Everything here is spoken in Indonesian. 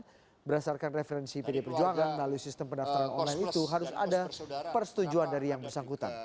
dan berdasarkan referensi pd perjuangan melalui sistem pendaftaran online itu harus ada persetujuan dari yang bersangkutan